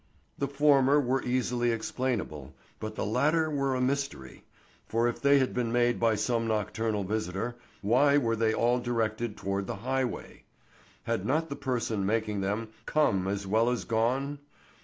The former were easily explainable, but the latter were a mystery; for if they had been made by some nocturnal visitor, why were they all directed toward the highway? Had not the person making them come as well as gone?